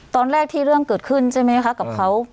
ตอนแรกที่เรื่องเกิดขึ้นใช่ไหมคะกับเขา